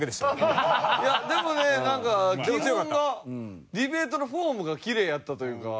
いやでもねなんかリズムがディベートのフォームがきれいやったというか。